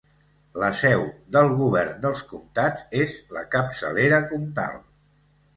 La seu del govern dels comtats és la capçalera comtal.